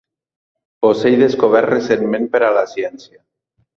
Ocell descobert recentment per a la ciència.